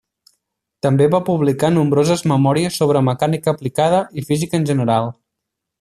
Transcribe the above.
També va publicar nombroses memòries sobre mecànica aplicada i física en general.